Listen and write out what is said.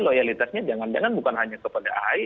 loyalitasnya jangan jangan bukan hanya kepada ahy